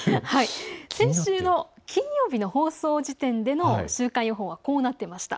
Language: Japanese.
先週の金曜日の放送時点では週間予報はこうなっていました。